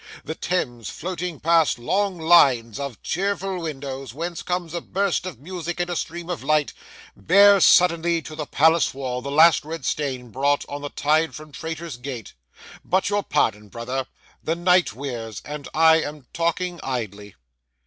The Thames, floating past long lines of cheerful windows whence come a burst of music and a stream of light, bears suddenly to the Palace wall the last red stain brought on the tide from Traitor's Gate. But your pardon, brother. The night wears, and I am talking idly.